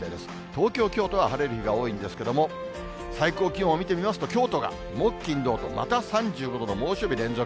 東京、京都は晴れる日が多いんですけれども、最高気温を見てみますと、京都が木、金、土とまた３５度の猛暑日連続。